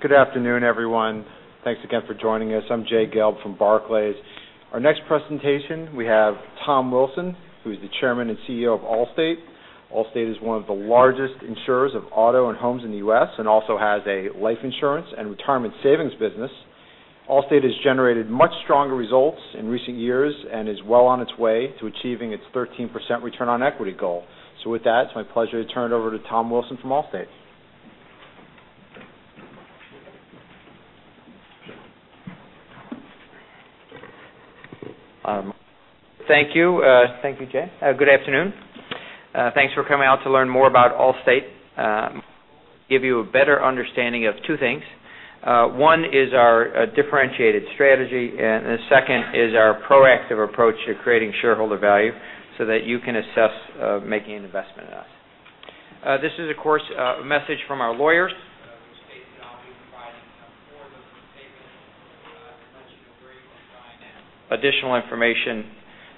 Good afternoon, everyone. Thanks again for joining us. I'm Jay Gelb from Barclays. Our next presentation, we have Tom Wilson, who is the Chairman and CEO of Allstate. Allstate is one of the largest insurers of auto and homes in the U.S., and also has a life insurance and retirement savings business. Allstate has generated much stronger results in recent years and is well on its way to achieving its 13% return on equity goal. With that, it's my pleasure to turn it over to Tom Wilson from Allstate. Thank you, Jay. Good afternoon. Thanks for coming out to learn more about Allstate. Give you a better understanding of two things. One is our differentiated strategy, and the second is our proactive approach to creating shareholder value so that you can assess making an investment in us. This is, of course, a message from our lawyers, which states that I'll be providing a forward-looking statement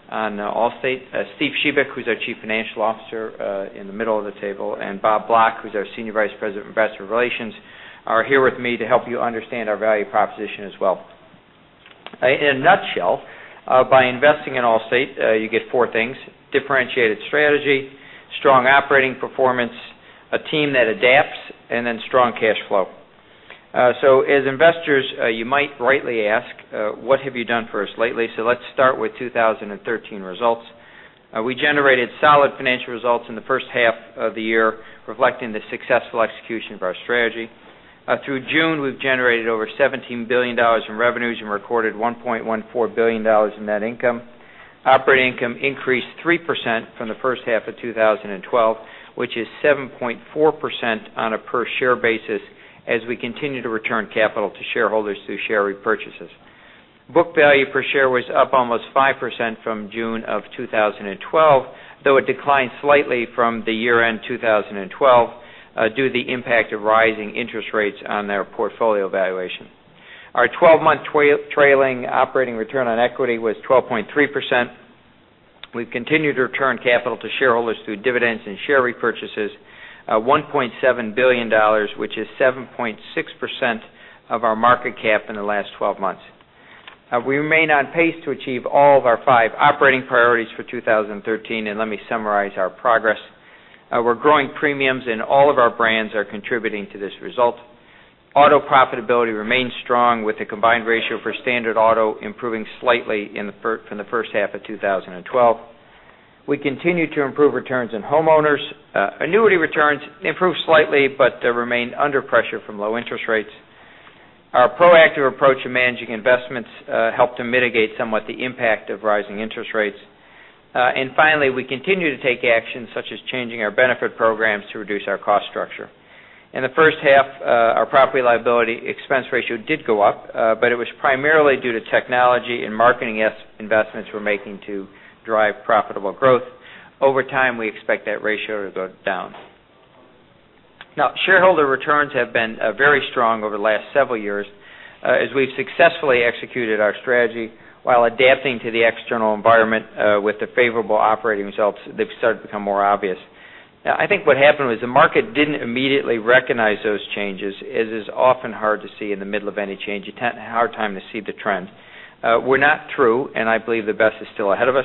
that may not be a very precise additional information on Allstate. Steve Shebik, who's our Chief Financial Officer, in the middle of the table, and Bob Block, who's our Senior Vice President of Investor Relations, are here with me to help you understand our value proposition as well. In a nutshell, by investing in Allstate, you get four things, differentiated strategy, strong operating performance, a team that adapts, strong cash flow. As investors, you might rightly ask, what have you done for us lately? Let's start with 2013 results. We generated solid financial results in the first half of the year, reflecting the successful execution of our strategy. Through June, we've generated over $17 billion in revenues and recorded $1.14 billion in net income. Operating income increased 3% from the first half of 2012, which is 7.4% on a per share basis as we continue to return capital to shareholders through share repurchases. Book value per share was up almost 5% from June of 2012, though it declined slightly from the year-end 2012 due to the impact of rising interest rates on their portfolio valuation. Our 12-month trailing operating return on equity was 12.3%. We've continued to return capital to shareholders through dividends and share repurchases, $1.7 billion, which is 7.6% of our market cap in the last 12 months. We remain on pace to achieve all of our five operating priorities for 2013. Let me summarize our progress. We're growing premiums. All of our brands are contributing to this result. Auto profitability remains strong with the combined ratio for standard auto improving slightly from the first half of 2012. We continue to improve returns in homeowners. Annuity returns improved slightly but remain under pressure from low interest rates. Our proactive approach in managing investments helped to mitigate somewhat the impact of rising interest rates. Finally, we continue to take action such as changing our benefit programs to reduce our cost structure. In the first half, our property liability expense ratio did go up, it was primarily due to technology and marketing investments we're making to drive profitable growth. Over time, we expect that ratio to go down. Shareholder returns have been very strong over the last several years as we've successfully executed our strategy while adapting to the external environment with the favorable operating results, they've started to become more obvious. I think what happened was the market didn't immediately recognize those changes, as is often hard to see in the middle of any change, a hard time to see the trends. We're not through, I believe the best is still ahead of us.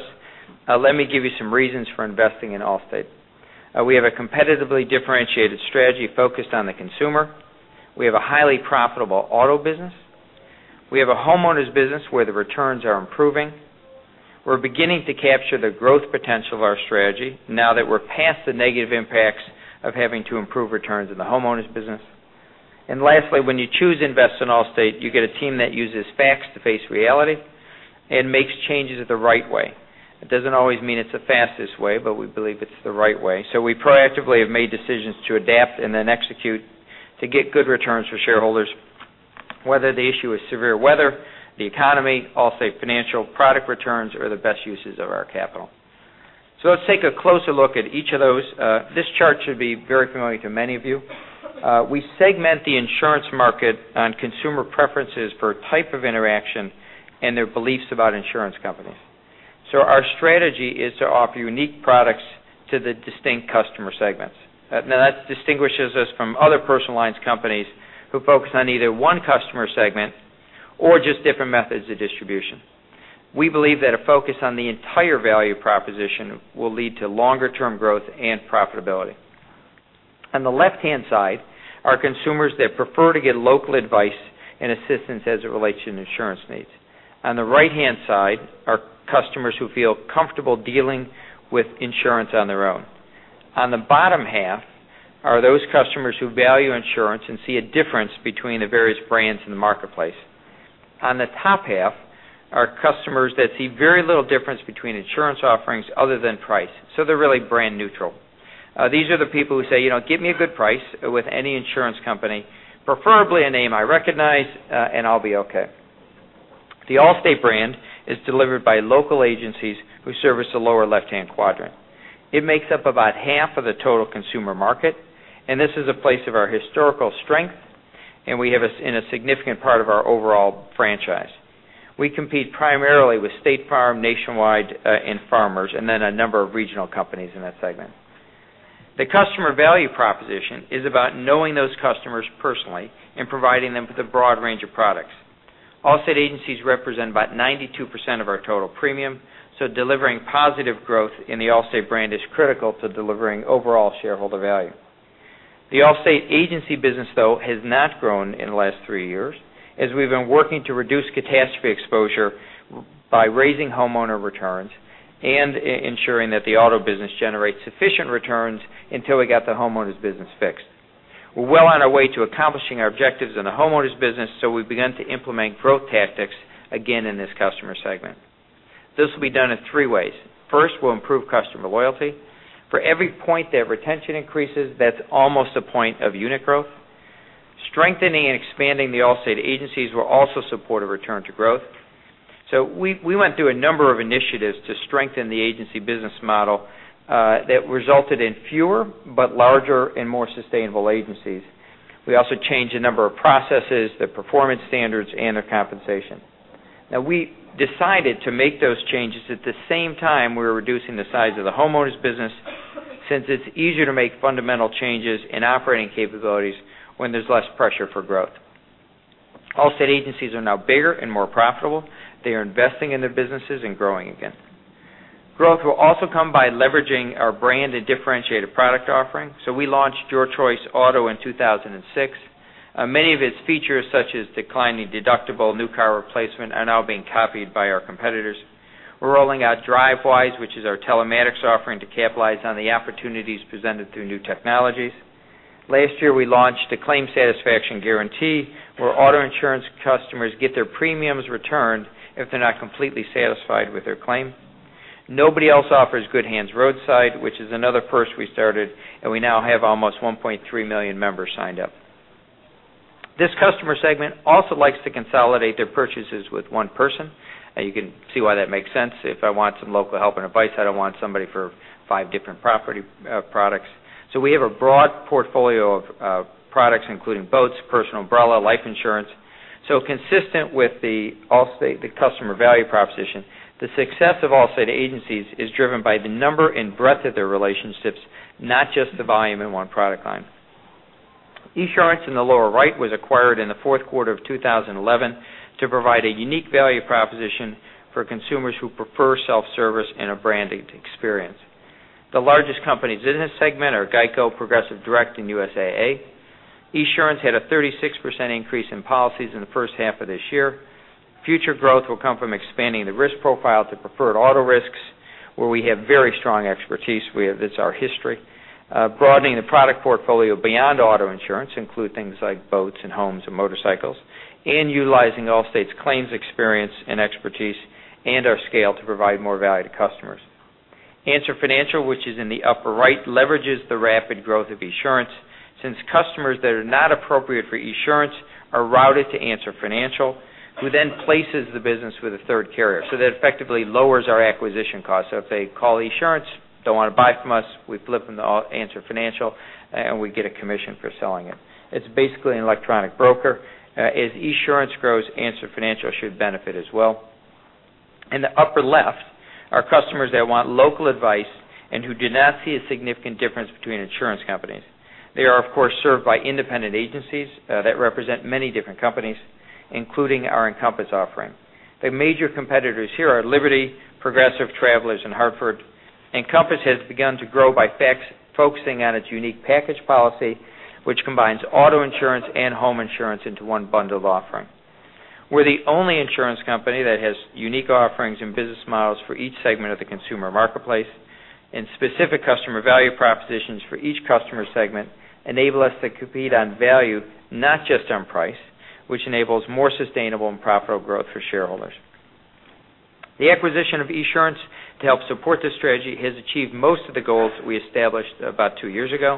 Let me give you some reasons for investing in Allstate. We have a competitively differentiated strategy focused on the consumer. We have a highly profitable auto business. We have a homeowners business where the returns are improving. We're beginning to capture the growth potential of our strategy now that we're past the negative impacts of having to improve returns in the homeowners business. Lastly, when you choose to invest in Allstate, you get a team that uses facts to face reality and makes changes the right way. It doesn't always mean it's the fastest way, we believe it's the right way. We proactively have made decisions to adapt and then execute to get good returns for shareholders, whether the issue is severe weather, the economy, Allstate Financial product returns, or the best uses of our capital. Let's take a closer look at each of those. This chart should be very familiar to many of you. We segment the insurance market on consumer preferences for type of interaction and their beliefs about insurance companies. Our strategy is to offer unique products to the distinct customer segments. That distinguishes us from other personal lines companies who focus on either one customer segment or just different methods of distribution. We believe that a focus on the entire value proposition will lead to longer-term growth and profitability. On the left-hand side are consumers that prefer to get local advice and assistance as it relates to insurance needs. On the right-hand side are customers who feel comfortable dealing with insurance on their own. On the bottom half are those customers who value insurance and see a difference between the various brands in the marketplace. On the top half are customers that see very little difference between insurance offerings other than price. They're really brand neutral. These are the people who say, "Give me a good price with any insurance company, preferably a name I recognize, and I'll be okay." The Allstate brand is delivered by local agencies who service the lower left-hand quadrant. It makes up about half of the total consumer market, this is a place of our historical strength, and we have in a significant part of our overall franchise. We compete primarily with State Farm, Nationwide, and Farmers, then a number of regional companies in that segment. The customer value proposition is about knowing those customers personally and providing them with a broad range of products. Allstate agencies represent about 92% of our total premium, delivering positive growth in the Allstate brand is critical to delivering overall shareholder value. The Allstate agency business, though, has not grown in the last 3 years, as we've been working to reduce catastrophe exposure by raising homeowner returns and ensuring that the auto business generates sufficient returns until we got the homeowners business fixed. We're well on our way to accomplishing our objectives in the homeowners business, we've begun to implement growth tactics again in this customer segment. This will be done in 3 ways. First, we'll improve customer loyalty. For every point that retention increases, that's almost a point of unit growth. Strengthening and expanding the Allstate agencies will also support a return to growth. We went through a number of initiatives to strengthen the agency business model that resulted in fewer but larger and more sustainable agencies. We also changed a number of processes, the performance standards, and the compensation. We decided to make those changes at the same time we were reducing the size of the homeowners business, since it's easier to make fundamental changes in operating capabilities when there's less pressure for growth. Allstate agencies are now bigger and more profitable. They are investing in their businesses and growing again. Growth will also come by leveraging our brand and differentiated product offering. We launched Your Choice Auto in 2006. Many of its features, such as declining deductible New Car Replacement, are now being copied by our competitors. We're rolling out Drivewise, which is our telematics offering to capitalize on the opportunities presented through new technologies. Last year, we launched a Claim Satisfaction Guarantee, where auto insurance customers get their premiums returned if they're not completely satisfied with their claim. Nobody else offers Good Hands Roadside, which is another first we started, and we now have almost 1.3 million members signed up. This customer segment also likes to consolidate their purchases with one person. You can see why that makes sense. If I want some local help and advice, I don't want somebody for five different property products. We have a broad portfolio of products, including boats, personal umbrella, life insurance. Consistent with the Allstate customer value proposition, the success of Allstate agencies is driven by the number and breadth of their relationships, not just the volume in one product line. Esurance in the lower right was acquired in the fourth quarter of 2011 to provide a unique value proposition for consumers who prefer self-service and a branded experience. The largest companies in this segment are GEICO, Progressive, Direct, and USAA. Esurance had a 36% increase in policies in the first half of this year. Future growth will come from expanding the risk profile to preferred auto risks, where we have very strong expertise. It's our history. Broadening the product portfolio beyond auto insurance include things like boats and homes and motorcycles, and utilizing Allstate's claims experience and expertise and our scale to provide more value to customers. Answer Financial, which is in the upper right, leverages the rapid growth of Esurance, since customers that are not appropriate for Esurance are routed to Answer Financial, who then places the business with a third carrier. That effectively lowers our acquisition cost. If they call Esurance, don't want to buy from us, we flip them to Answer Financial, and we get a commission for selling it. It's basically an electronic broker. As Esurance grows, Answer Financial should benefit as well. In the upper left are customers that want local advice and who do not see a significant difference between insurance companies. They are, of course, served by independent agencies that represent many different companies, including our Encompass offering. The major competitors here are Liberty, Progressive, Travelers, and Hartford. Encompass has begun to grow by focusing on its unique package policy, which combines auto insurance and home insurance into one bundled offering. We're the only insurance company that has unique offerings and business models for each segment of the consumer marketplace, and specific customer value propositions for each customer segment enable us to compete on value, not just on price, which enables more sustainable and profitable growth for shareholders. The acquisition of Esurance to help support this strategy has achieved most of the goals that we established about two years ago.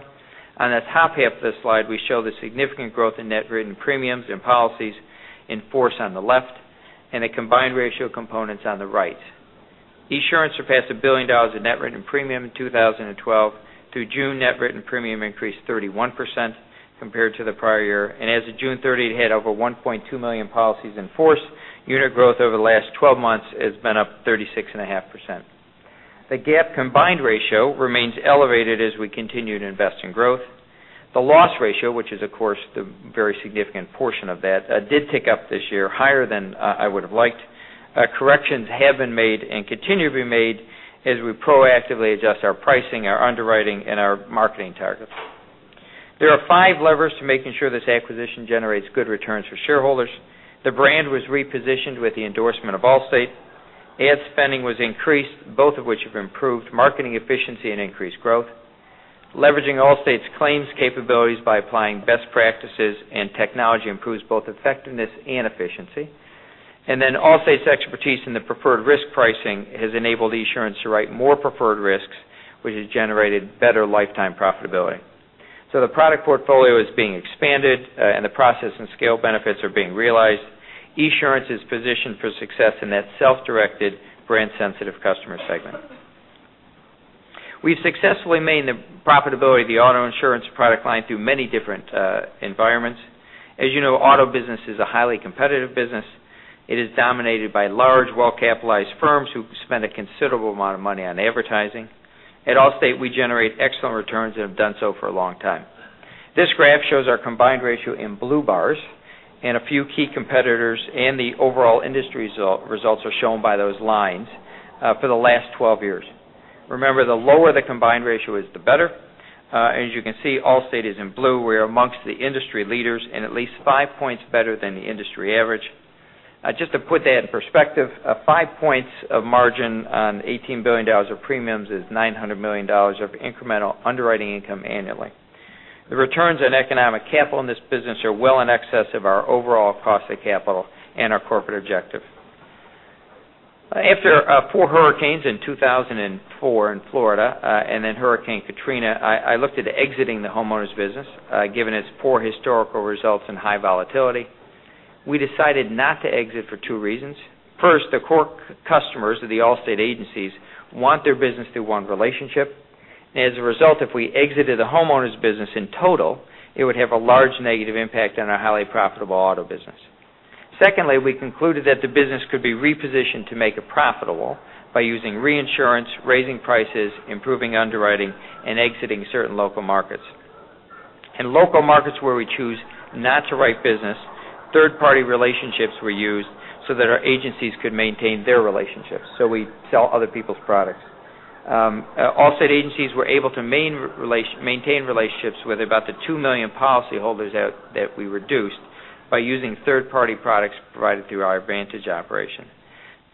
On the top half of this slide, we show the significant growth in net written premiums and policies in force on the left, and the combined ratio components on the right. Esurance surpassed $1 billion in net written premium in 2012. Through June, net written premium increased 31% compared to the prior year. As of June 30, it had over 1.2 million policies in force. Unit growth over the last 12 months has been up 36.5%. The GAAP combined ratio remains elevated as we continue to invest in growth. The loss ratio, which is, of course, the very significant portion of that, did tick up this year higher than I would have liked. Corrections have been made and continue to be made as we proactively adjust our pricing, our underwriting, and our marketing targets. There are five levers to making sure this acquisition generates good returns for shareholders. The brand was repositioned with the endorsement of Allstate. Ad spending was increased, both of which have improved marketing efficiency and increased growth. Leveraging Allstate's claims capabilities by applying best practices and technology improves both effectiveness and efficiency. Allstate's expertise in the preferred risk pricing has enabled Esurance to write more preferred risks, which has generated better lifetime profitability. The product portfolio is being expanded, and the process and scale benefits are being realized. Esurance is positioned for success in that self-directed, brand-sensitive customer segment. We've successfully made the profitability of the auto insurance product line through many different environments. As you know, auto business is a highly competitive business. It is dominated by large, well-capitalized firms who spend a considerable amount of money on advertising. At Allstate, we generate excellent returns and have done so for a long time. This graph shows our combined ratio in blue bars and a few key competitors and the overall industry results are shown by those lines for the last 12 years. Remember, the lower the combined ratio is, the better. As you can see, Allstate is in blue. We're amongst the industry leaders and at least five points better than the industry average. Just to put that in perspective, five points of margin on $18 billion of premiums is $900 million of incremental underwriting income annually. The returns on economic capital in this business are well in excess of our overall cost of capital and our corporate objective. After four hurricanes in 2004 in Florida, Hurricane Katrina, I looked at exiting the homeowners business, given its poor historical results and high volatility. We decided not to exit for two reasons. First, the core customers of the Allstate agencies want their business through one relationship. As a result, if we exited the homeowners business in total, it would have a large negative impact on our highly profitable auto business. Secondly, we concluded that the business could be repositioned to make it profitable by using reinsurance, raising prices, improving underwriting, and exiting certain local markets. In local markets where we choose not to write business, third-party relationships were used so that our agencies could maintain their relationships, so we sell other people's products. Allstate agencies were able to maintain relationships with about the 2 million policyholders that we reduced by using third-party products provided through our Ivantage operation.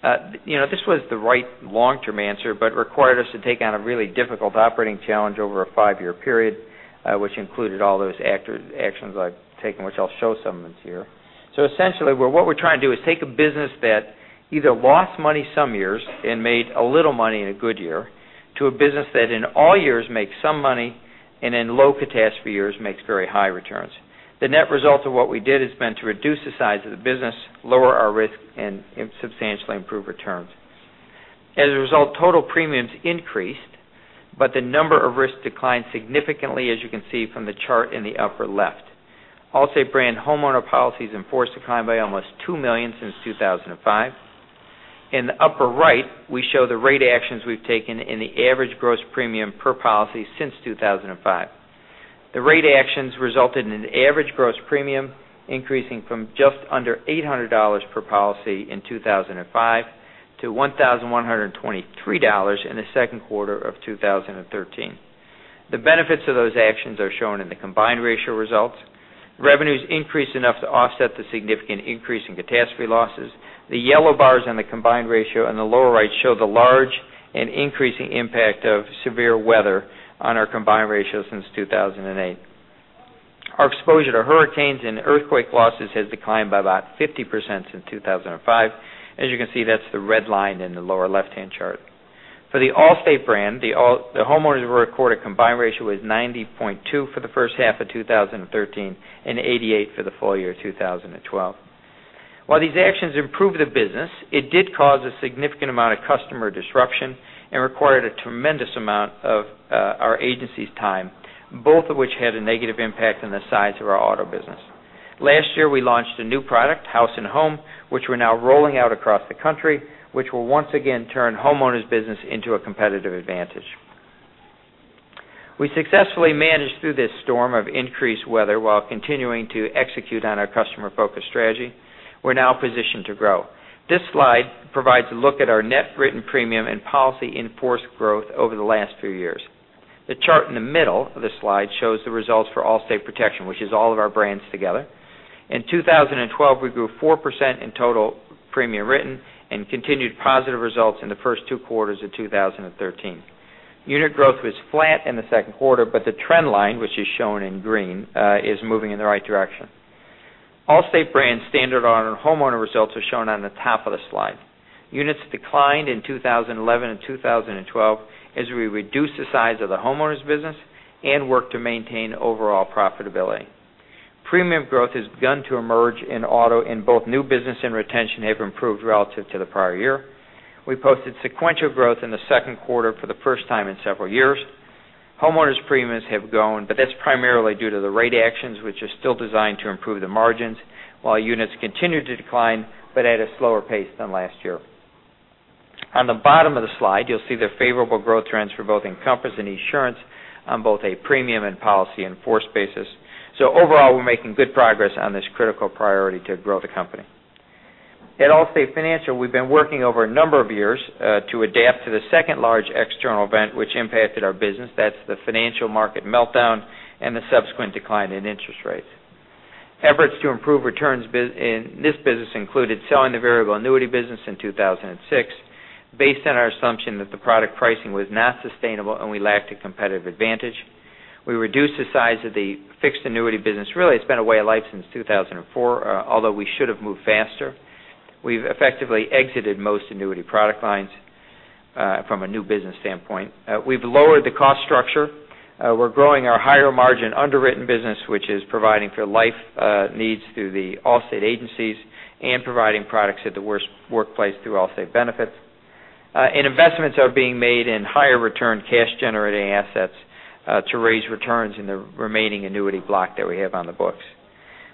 This was the right long-term answer, but required us to take on a really difficult operating challenge over a five-year period, which included all those actions I've taken, which I'll show some of here. Essentially, what we're trying to do is take a business that either lost money some years and made a little money in a good year to a business that in all years makes some money, and in low catastrophe years, makes very high returns. The net result of what we did has been to reduce the size of the business, lower our risk, and substantially improve returns. As a result, total premiums increased, but the number of risks declined significantly, as you can see from the chart in the upper left. Allstate brand homeowner policies in force declined by almost 2 million since 2005. In the upper right, we show the rate actions we've taken in the average gross premium per policy since 2005. The rate actions resulted in an average gross premium increasing from just under $800 per policy in 2005 to $1,123 in the second quarter of 2013. The benefits of those actions are shown in the combined ratio results. Revenues increased enough to offset the significant increase in catastrophe losses. The yellow bars on the combined ratio on the lower right show the large and increasing impact of severe weather on our combined ratio since 2008. Our exposure to hurricanes and earthquake losses has declined by about 50% since 2005. As you can see, that's the red line in the lower left-hand chart. For the Allstate brand, the homeowners recorded combined ratio was 90.2 for the first half of 2013 and 88 for the full year of 2012. While these actions improved the business, it did cause a significant amount of customer disruption and required a tremendous amount of our agency's time, both of which had a negative impact on the size of our auto business. Last year, we launched a new product, House & Home, which we're now rolling out across the country, which will once again turn homeowners business into a competitive advantage. We successfully managed through this storm of increased weather while continuing to execute on our customer-focused strategy. We're now positioned to grow. This slide provides a look at our net written premium and policy in force growth over the last few years. The chart in the middle of this slide shows the results for Allstate Protection, which is all of our brands together. In 2012, we grew 4% in total premium written and continued positive results in the first two quarters of 2013. Unit growth was flat in the second quarter, but the trend line, which is shown in green, is moving in the right direction. Allstate brand standard auto and homeowner results are shown on the top of the slide. Units declined in 2011 and 2012 as we reduced the size of the homeowners business and worked to maintain overall profitability. Premium growth has begun to emerge in auto, and both new business and retention have improved relative to the prior year. We posted sequential growth in the second quarter for the first time in several years. Homeowners premiums have gone, but that's primarily due to the rate actions, which are still designed to improve the margins, while units continued to decline but at a slower pace than last year. On the bottom of the slide, you'll see the favorable growth trends for both Encompass and Esurance on both a premium and policy in force basis. Overall, we're making good progress on this critical priority to grow the company. At Allstate Financial, we've been working over a number of years to adapt to the second large external event which impacted our business. That's the financial market meltdown and the subsequent decline in interest rates. Efforts to improve returns in this business included selling the variable annuity business in 2006 based on our assumption that the product pricing was not sustainable, and we lacked a competitive advantage. We reduced the size of the fixed annuity business. Really, it's been a way of life since 2004, although we should have moved faster. We've effectively exited most annuity product lines from a new business standpoint. We've lowered the cost structure. We're growing our higher margin underwritten business, which is providing for life needs through the Allstate agencies and providing products at the workplace through Allstate Benefits. Investments are being made in higher return cash-generating assets to raise returns in the remaining annuity block that we have on the books.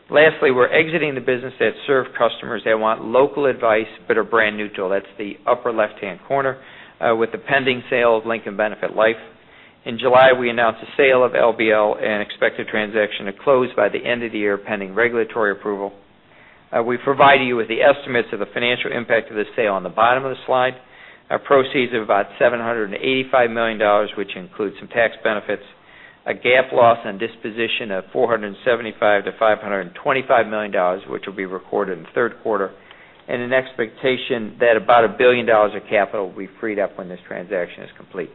Lastly, we're exiting the business that serve customers that want local advice but are brand neutral. That's the upper left-hand corner with the pending sale of Lincoln Benefit Life. In July, we announced the sale of LBL and expect the transaction to close by the end of the year, pending regulatory approval. We've provided you with the estimates of the financial impact of the sale on the bottom of the slide. Our proceeds of about $785 million, which includes some tax benefits, a GAAP loss on disposition of $475 million-$525 million, which will be recorded in the third quarter, and an expectation that about $1 billion of capital will be freed up when this transaction is complete.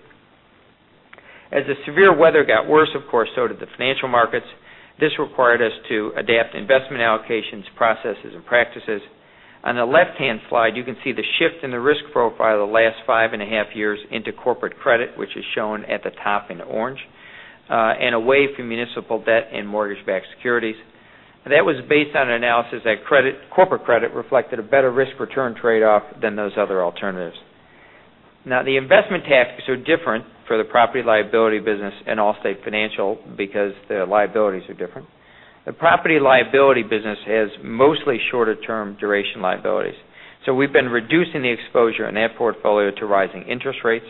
As the severe weather got worse, of course, so did the financial markets. This required us to adapt investment allocations, processes, and practices. On the left-hand slide, you can see the shift in the risk profile the last five and a half years into corporate credit, which is shown at the top in orange, and away from municipal debt and mortgage-backed securities. That was based on an analysis that corporate credit reflected a better risk-return trade-off than those other alternatives. The investment tasks are different for the property liability business and Allstate Financial because their liabilities are different. The property liability business has mostly shorter term duration liabilities. We've been reducing the exposure in that portfolio to rising interest rates.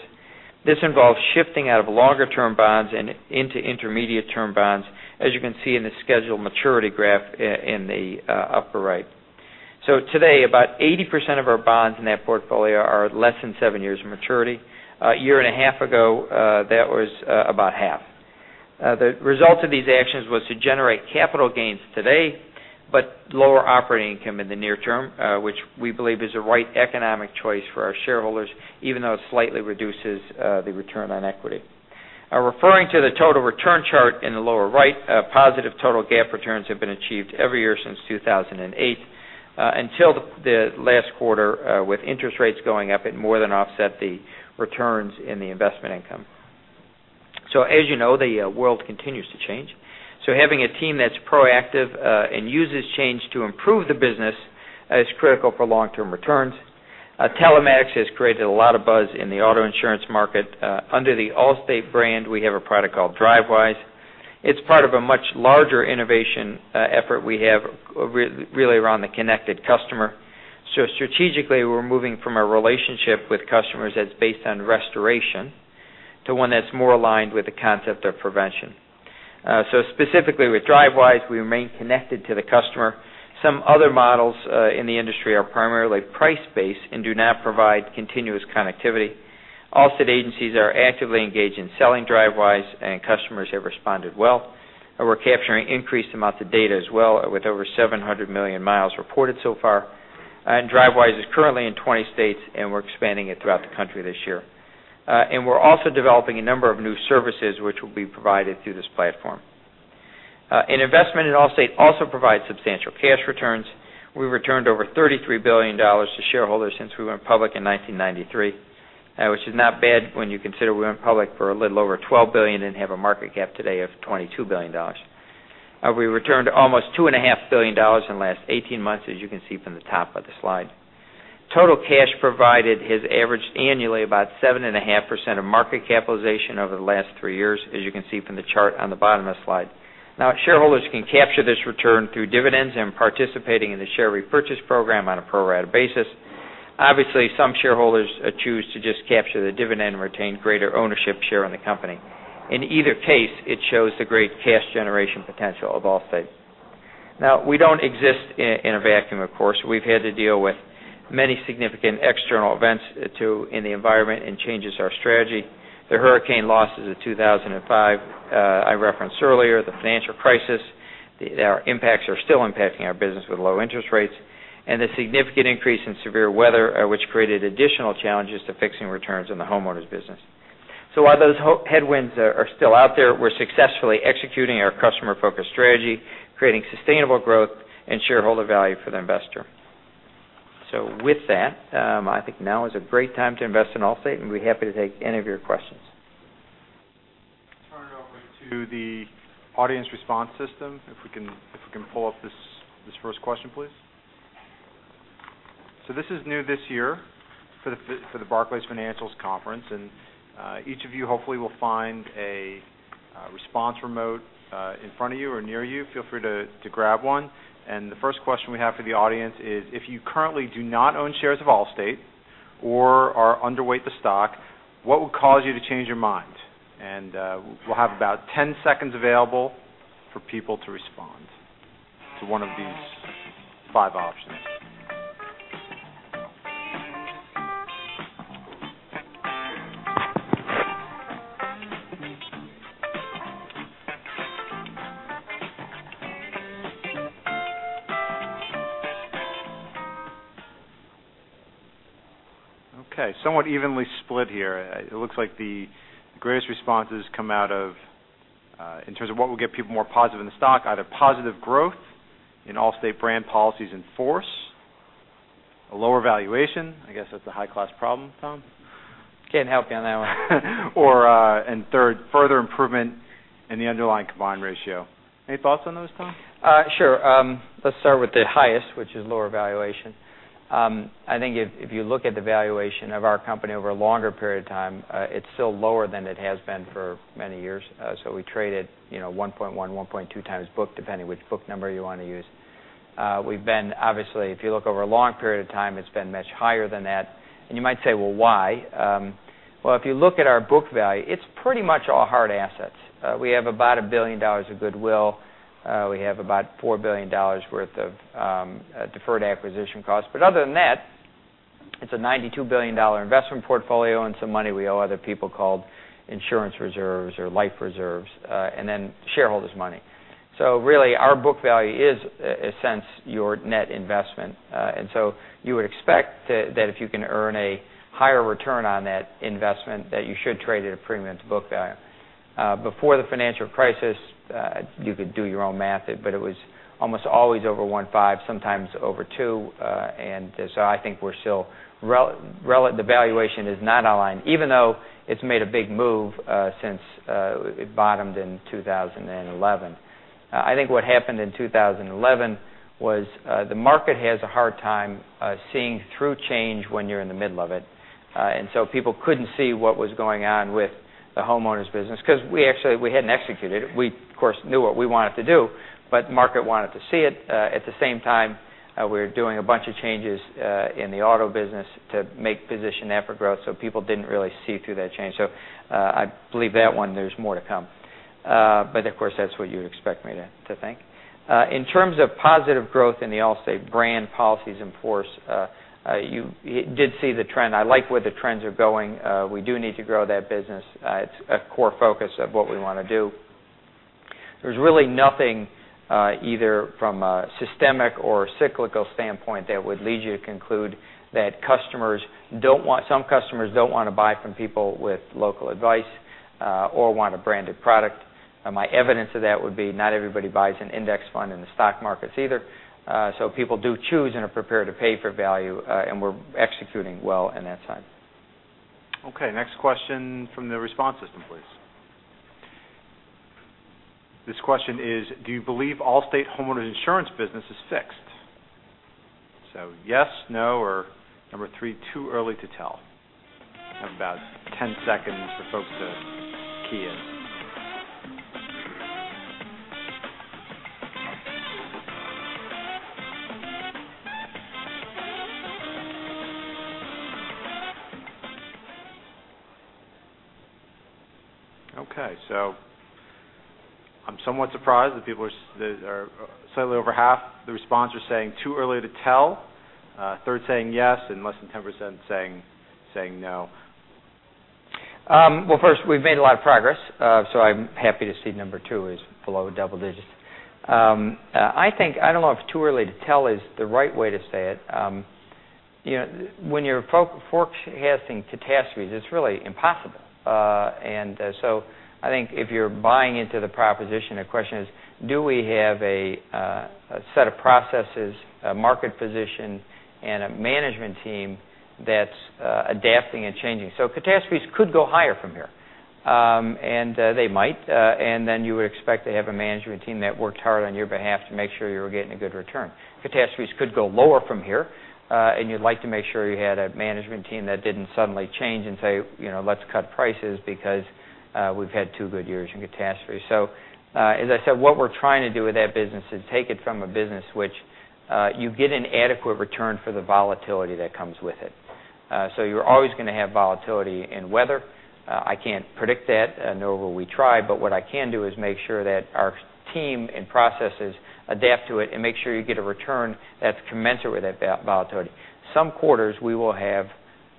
This involves shifting out of longer term bonds and into intermediate term bonds, as you can see in the scheduled maturity graph in the upper right. Today, about 80% of our bonds in that portfolio are less than 7 years maturity. A year and a half ago, that was about half. The result of these actions was to generate capital gains today, but lower operating income in the near term, which we believe is the right economic choice for our shareholders, even though it slightly reduces the return on equity. Referring to the total return chart in the lower right, positive total GAAP returns have been achieved every year since 2008, until the last quarter with interest rates going up, it more than offset the returns in the investment income. As you know, the world continues to change. Having a team that's proactive and uses change to improve the business is critical for long-term returns. Telematics has created a lot of buzz in the auto insurance market. Under the Allstate brand, we have a product called Drivewise. It's part of a much larger innovation effort we have really around the connected customer. Strategically, we're moving from a relationship with customers that's based on restoration to one that's more aligned with the concept of prevention. Specifically with Drivewise, we remain connected to the customer. Some other models in the industry are primarily price-based and do not provide continuous connectivity. Allstate agencies are actively engaged in selling Drivewise, and customers have responded well. We're capturing increased amounts of data as well, with over 700 million miles reported so far. Drivewise is currently in 20 states, and we're expanding it throughout the country this year. We're also developing a number of new services which will be provided through this platform. An investment in Allstate also provides substantial cash returns. We returned over $33 billion to shareholders since we went public in 1993, which is not bad when you consider we went public for a little over $12 billion and have a market cap today of $22 billion. We returned almost $2.5 billion in the last 18 months, as you can see from the top of the slide. Total cash provided has averaged annually about 7.5% of market capitalization over the last three years, as you can see from the chart on the bottom of the slide. Shareholders can capture this return through dividends and participating in the share repurchase program on a pro rata basis. Obviously, some shareholders choose to just capture the dividend and retain greater ownership share in the company. In either case, it shows the great cash generation potential of Allstate. We don't exist in a vacuum, of course. We've had to deal with many significant external events, too, in the environment and changes to our strategy. The hurricane losses of 2005, I referenced earlier, the financial crisis, our impacts are still impacting our business with low interest rates, and the significant increase in severe weather, which created additional challenges to fixing returns in the homeowners business. While those headwinds are still out there, we're successfully executing our customer-focused strategy, creating sustainable growth and shareholder value for the investor. With that, I think now is a great time to invest in Allstate, and we'd be happy to take any of your questions. Turn it over to the audience response system, if we can pull up this first question, please. This is new this year for the Barclays Financials Conference, and each of you hopefully will find a response remote in front of you or near you. Feel free to grab one. The first question we have for the audience is, if you currently do not own shares of Allstate or are underweight the stock, what would cause you to change your mind? We'll have about 10 seconds available for people to respond to one of these five options. Okay, somewhat evenly split here. It looks like the greatest responses come out of, in terms of what would get people more positive in the stock, either positive growth in Allstate brand policies in force, a lower valuation, I guess that's a high-class problem, Tom. Can't help you on that one. Third, further improvement in the underlying combined ratio. Any thoughts on those, Tom? Sure. Let's start with the highest, which is lower valuation. I think if you look at the valuation of our company over a longer period of time, it's still lower than it has been for many years. We traded 1.1, 1.2 times book, depending which book number you want to use. Obviously, if you look over a long period of time, it's been much higher than that. You might say, "Well, why?" If you look at our book value, it's pretty much all hard assets. We have about $1 billion of goodwill. We have about $4 billion worth of deferred acquisition costs. Other than that, it's a $92 billion investment portfolio and some money we owe other people called insurance reserves or life reserves, and then shareholders money. Really, our book value is, in a sense, your net investment. You would expect that if you can earn a higher return on that investment, that you should trade at a premium to book value. Before the financial crisis, you could do your own math, it was almost always over 1.5, sometimes over 2. I think the valuation is not aligned, even though it's made a big move since it bottomed in 2011. I think what happened in 2011 was the market has a hard time seeing through change when you're in the middle of it. People couldn't see what was going on with the homeowners business because we hadn't executed it. We, of course, knew what we wanted to do, market wanted to see it. At the same time, we were doing a bunch of changes in the auto business to position that for growth. People didn't really see through that change. I believe that one, there's more to come. Of course, that's what you would expect me to think. In terms of positive growth in the Allstate brand policies in force, you did see the trend. I like where the trends are going. We do need to grow that business. It's a core focus of what we want to do. There's really nothing, either from a systemic or cyclical standpoint that would lead you to conclude that some customers don't want to buy from people with local advice or want a branded product. My evidence of that would be not everybody buys an index fund in the stock markets either. People do choose and are prepared to pay for value, and we're executing well on that side. Next question from the response system, please. This question is: Do you believe Allstate homeowners insurance business is fixed? Yes, no, or number 3, too early to tell. I have about 10 seconds for folks to key in. I'm somewhat surprised that slightly over half the response are saying too early to tell, a third saying yes, and less than 10% saying no. Well, first, we've made a lot of progress, so I'm happy to see number 2 is below double digits. I don't know if too early to tell is the right way to say it. When you're forecasting catastrophes, it's really impossible. I think if you're buying into the proposition, the question is, do we have a set of processes, a market position, and a management team that's adapting and changing? Catastrophes could go higher from here, and they might. Then you would expect to have a management team that worked hard on your behalf to make sure you were getting a good return. Catastrophes could go lower from here, and you'd like to make sure you had a management team that didn't suddenly change and say, "Let's cut prices because we've had two good years in catastrophes." As I said, what we're trying to do with that business is take it from a business which you get an adequate return for the volatility that comes with it. You're always going to have volatility in weather. I can't predict that nor will we try, but what I can do is make sure that our team and processes adapt to it and make sure you get a return that's commensurate with that volatility. Some quarters, we will have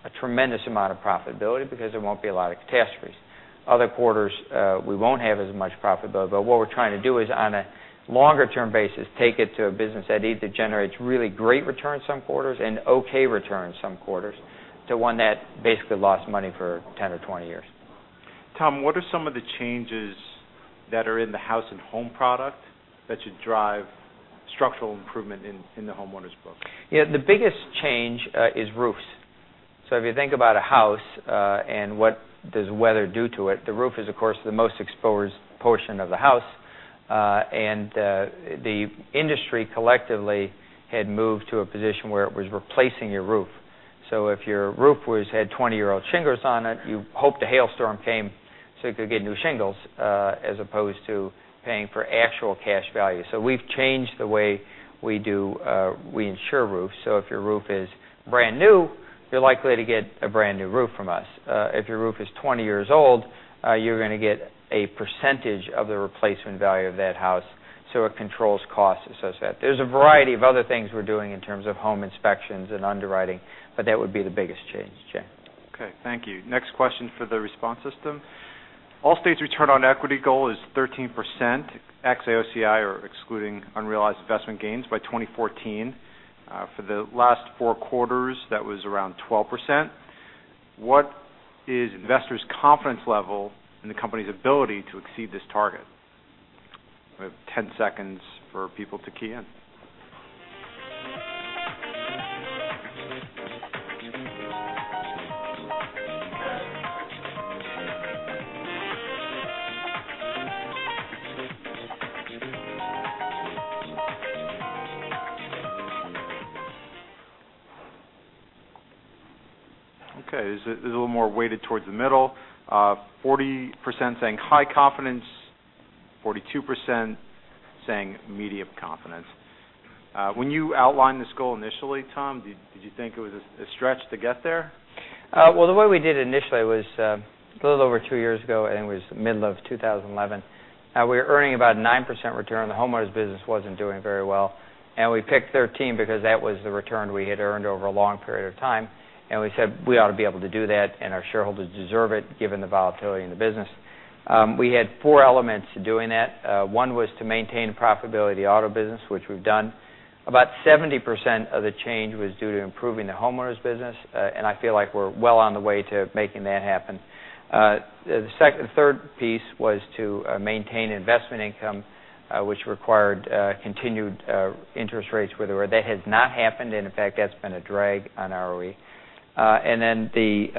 a tremendous amount of profitability because there won't be a lot of catastrophes. Other quarters, we won't have as much profitability. What we're trying to do is on a longer term basis, take it to a business that either generates really great returns some quarters and okay returns some quarters to one that basically lost money for 10 or 20 years. Tom, what are some of the changes that are in the House & Home product that should drive structural improvement in the homeowners book? The biggest change is roofs. If you think about a house and what does weather do to it, the roof is, of course, the most exposed portion of the house. The industry collectively had moved to a position where it was replacing your roof. If your roof had 20-year-old shingles on it, you hoped a hailstorm came so you could get new shingles as opposed to paying for actual cash value. We've changed the way we insure roofs. If your roof is brand new, you're likely to get a brand new roof from us. If your roof is 20 years old, you're going to get a percentage of the replacement value of that house, so it controls cost associated. There's a variety of other things we're doing in terms of home inspections and underwriting, but that would be the biggest change, Jay. Okay, thank you. Next question for the response system. Allstate's return on equity goal is 13% ex-AOCI or excluding unrealized investment gains by 2014. For the last four quarters, that was around 12%. What is investors' confidence level in the company's ability to exceed this target? We have 10 seconds for people to key in. Okay. This is a little more weighted towards the middle. 40% saying high confidence, 42% saying medium confidence. When you outlined this goal initially, Tom, did you think it was a stretch to get there? Well, the way we did it initially was a little over two years ago, it was the middle of 2011. We were earning about a 9% return. The homeowners business wasn't doing very well, we picked 13 because that was the return we had earned over a long period of time, we said we ought to be able to do that, our shareholders deserve it, given the volatility in the business. We had four elements to doing that. One was to maintain profitability auto business, which we've done. About 70% of the change was due to improving the homeowners business, I feel like we're well on the way to making that happen. The third piece was to maintain investment income, which required continued interest rates where they were. That has not happened, in fact, that's been a drag on ROE. Sorry. Allstate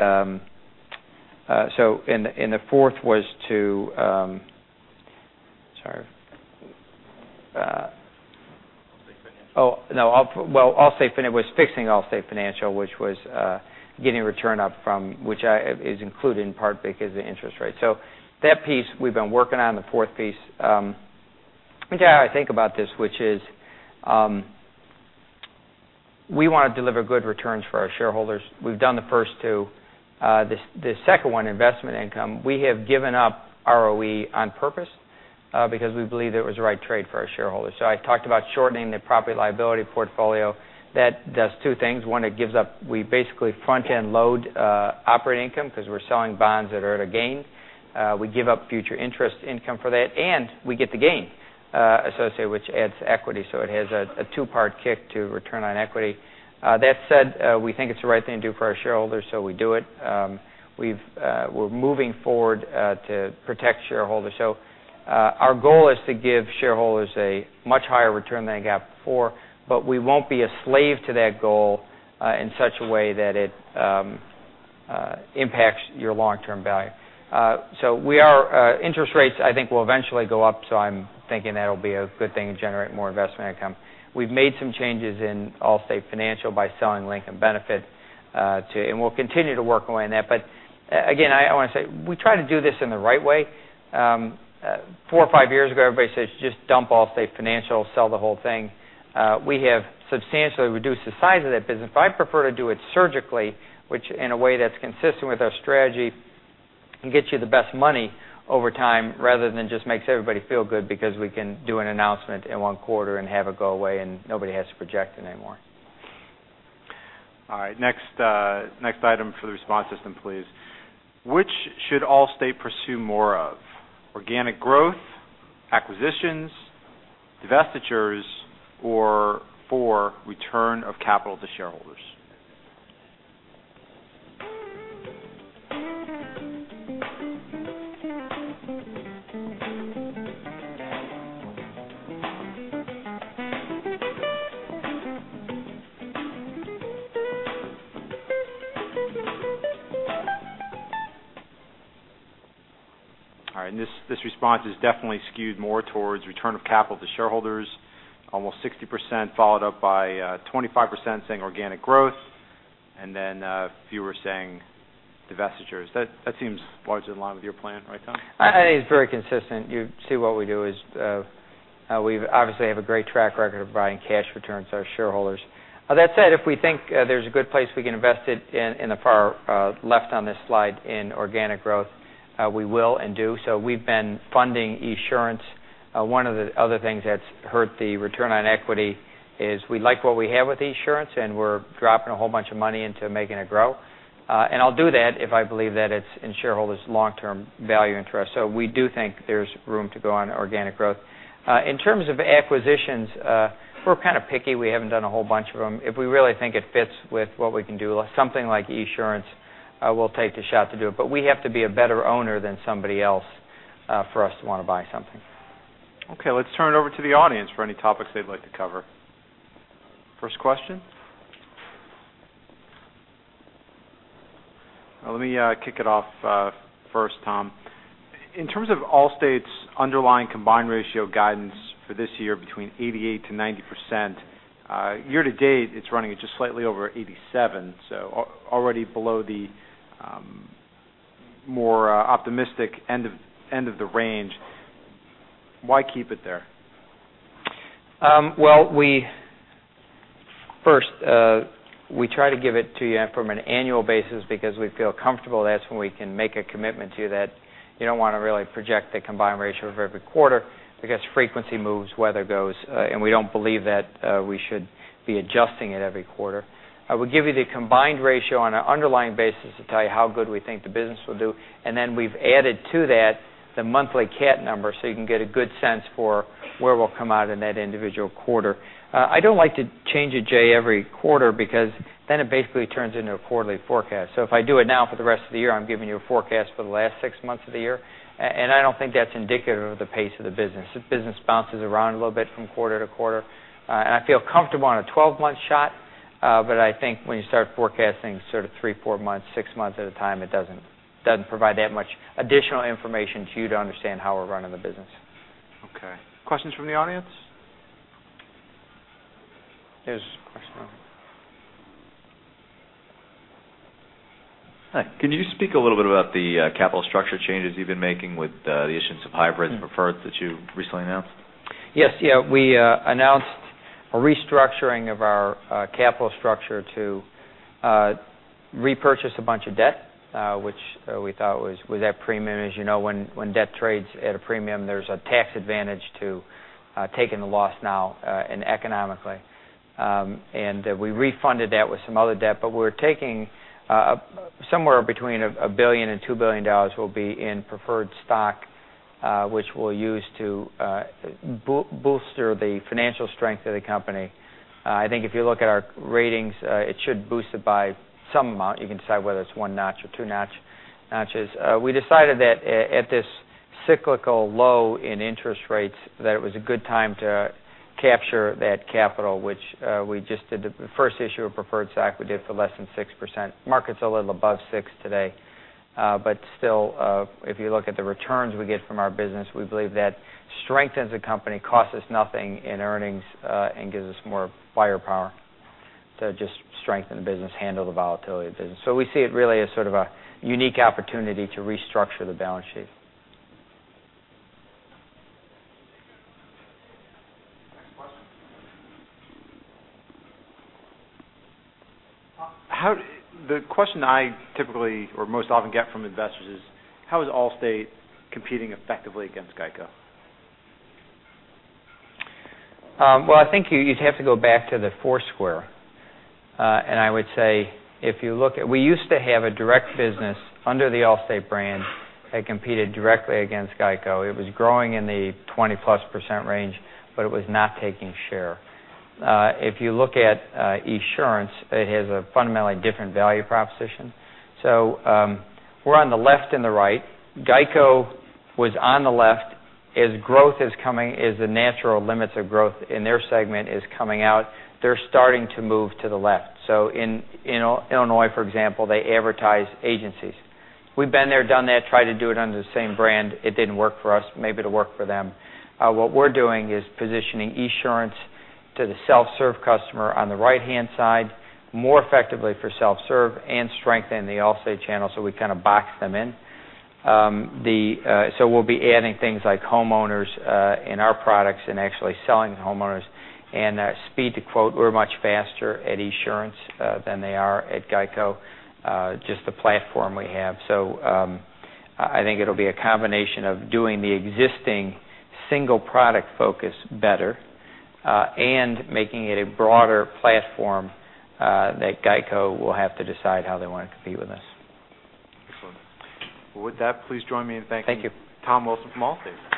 Financial. Oh, no. Well, it was fixing Allstate Financial, which was getting return up from, which is included in part because of the interest rate. That piece we've been working on, the fourth piece. I think about this, which is, we want to deliver good returns for our shareholders. We've done the first two. The second one, investment income, we have given up ROE on purpose because we believe that it was the right trade for our shareholders. I talked about shortening the property liability portfolio. That does two things. One, we basically front-end load operating income because we're selling bonds that are at a gain. We give up future interest income for that, and we get the gain associated, which adds equity. It has a two-part kick to return on equity. That said, we think it's the right thing to do for our shareholders, so we do it. We're moving forward to protect shareholders. Our goal is to give shareholders a much higher return than they got before, but we won't be a slave to that goal in such a way that it impacts your long-term value. Interest rates, I think, will eventually go up, so I'm thinking that'll be a good thing to generate more investment income. We've made some changes in Allstate Financial by selling Lincoln Benefit, and we'll continue to work our way on that. Again, I want to say, we try to do this in the right way. Four or five years ago, everybody says, "Just dump Allstate Financial, sell the whole thing." We have substantially reduced the size of that business. I prefer to do it surgically, which in a way that's consistent with our strategy and gets you the best money over time rather than just makes everybody feel good because we can do an announcement in one quarter and have it go away, and nobody has to project it anymore. All right. Next item for the response system, please. Which should Allstate pursue more of: organic growth, acquisitions, divestitures, or four, return of capital to shareholders? All right. This response is definitely skewed more towards return of capital to shareholders. Almost 60%, followed up by 25% saying organic growth, and then a few are saying divestitures. That seems largely in line with your plan, right, Tom? I think it's very consistent. You see what we do is we obviously have a great track record of providing cash returns to our shareholders. That said, if we think there's a good place we can invest it in the far left on this slide in organic growth, we will and do. We've been funding Esurance. One of the other things that's hurt the return on equity is we like what we have with Esurance, and we're dropping a whole bunch of money into making it grow. I'll do that if I believe that it's in shareholders' long-term value interest. We do think there's room to go on organic growth. In terms of acquisitions, we're kind of picky. We haven't done a whole bunch of them. If we really think it fits with what we can do, something like Esurance, we'll take the shot to do it. We have to be a better owner than somebody else for us to want to buy something. Okay, let's turn it over to the audience for any topics they'd like to cover. First question. Let me kick it off first, Tom. In terms of Allstate's underlying combined ratio guidance for this year between 88%-90%, year to date, it's running at just slightly over 87%, already below the more optimistic end of the range. Why keep it there? First, we try to give it to you from an annual basis because we feel comfortable that's when we can make a commitment to you that you don't want to really project the combined ratio every quarter because frequency moves, weather goes, and we don't believe that we should be adjusting it every quarter. I would give you the combined ratio on an underlying basis to tell you how good we think the business will do, and then we've added to that the monthly CAT number so you can get a good sense for where we'll come out in that individual quarter. I don't like to change it, Jay, every quarter because then it basically turns into a quarterly forecast. If I do it now for the rest of the year, I'm giving you a forecast for the last six months of the year, and I don't think that's indicative of the pace of the business. The business bounces around a little bit from quarter to quarter. I feel comfortable on a 12-month shot. I think when you start forecasting sort of three, four months, six months at a time, it doesn't provide that much additional information to you to understand how we're running the business. Okay. Questions from the audience? There's a question over here. Hi. Could you speak a little bit about the capital structure changes you've been making with the issuance of hybrids and preferred that you recently announced? Yes. We announced a restructuring of our capital structure to repurchase a bunch of debt, which we thought was at a premium. As you know, when debt trades at a premium, there's a tax advantage to taking the loss now economically. We refunded that with some other debt, but we're taking somewhere between $1 billion and $2 billion will be in preferred stock, which we'll use to bolster the financial strength of the company. I think if you look at our ratings, it should boost it by some amount. You can decide whether it's one notch or two notches. We decided that at this cyclical low in interest rates, that it was a good time to capture that capital, which we just did the first issue of preferred stock we did for less than 6%. Market's a little above six today. If you look at the returns we get from our business, we believe that strengthens the company, costs us nothing in earnings, and gives us more firepower to just strengthen the business, handle the volatility of the business. We see it really as sort of a unique opportunity to restructure the balance sheet. Next question. The question I typically or most often get from investors is, how is Allstate competing effectively against GEICO? Well, I think you'd have to go back to the four-square. I would say we used to have a direct business under the Allstate brand that competed directly against GEICO. It was growing in the 20-plus % range, it was not taking share. If you look at Esurance, it has a fundamentally different value proposition. We're on the left and the right. GEICO was on the left. As the natural limits of growth in their segment is coming out, they're starting to move to the left. In Illinois, for example, they advertise agencies. We've been there, done that, tried to do it under the same brand. It didn't work for us. Maybe it'll work for them. What we're doing is positioning Esurance to the self-serve customer on the right-hand side more effectively for self-serve and strengthen the Allstate channel, we kind of box them in. We'll be adding things like homeowners in our products and actually selling the homeowners. Speed to quote, we're much faster at Esurance than they are at GEICO, just the platform we have. I think it'll be a combination of doing the existing single product focus better, and making it a broader platform, that GEICO will have to decide how they want to compete with us. Excellent. Well, with that, please join me in thanking- Thank you Tom Wilson from Allstate.